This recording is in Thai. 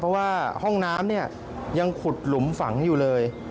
เพราะว่าห้องน้ำเนี่ยยังขุดหลุมฝังอยู่เลย